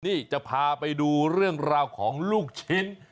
นี่จะพาไปดูเรื่องราวของลูกชิ้น